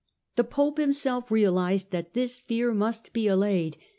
. The Pope himself realised that this fear must be allayed.